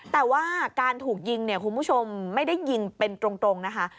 แต่ว่าการถูกยิงเนี่ยคุณผู้ชมไม่ได้ยิงเป็นตรงนะคะ